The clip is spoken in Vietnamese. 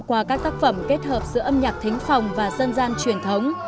qua các tác phẩm kết hợp giữa âm nhạc thính phòng và dân gian truyền thống